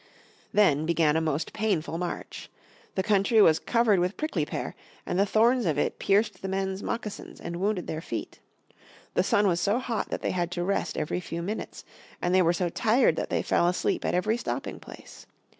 Then began a most painful march. The country was covered with prickly pear, and the thorns of it pierced the men's moccasins and wounded their feet. The sun was so hot that they had to rest every few minutes, and they were so tired that they fell asleep at every stopping place.